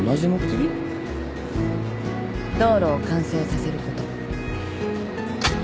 道路を完成させること。